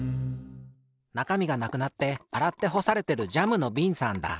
なかみがなくなってあらってほされてるジャムのびんさんだ。